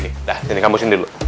nah gini gini